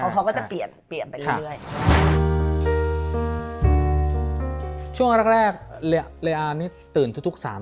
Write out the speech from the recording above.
กอลก็จะเปลี่ยนไปอีกเยอะ